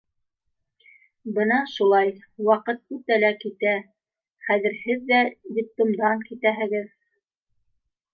Бына шулай ваҡыт үтә лә китә, хәҙер һеҙ ҙә детдомдан китәһегеҙ.